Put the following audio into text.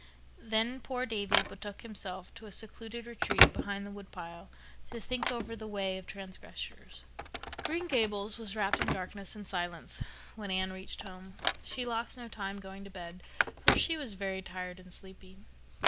Then poor Davy betook himself to a secluded retreat behind the woodpile to think over the way of transgressors. Green Gables was wrapped in darkness and silence when Anne reached home. She lost no time going to bed, for she was very tired and sleepy.